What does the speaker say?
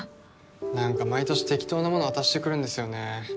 何か毎年適当なもの渡してくるんですよね